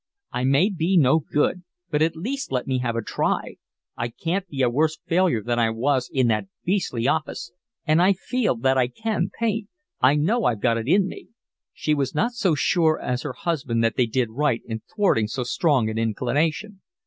"I may be no good, but at least let me have a try. I can't be a worse failure than I was in that beastly office. And I feel that I can paint. I know I've got it in me." She was not so sure as her husband that they did right in thwarting so strong an inclination.